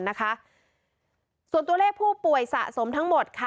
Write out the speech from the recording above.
ส่วนตัวเลขผู้ป่วยสะสมทั้งหมด